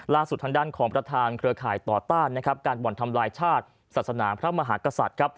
ล่าสุดทางด้านของประธานเครือข่ายต่อต้านการหม่อนทำร้ายชาติศาสนาพระมหากษัตริย์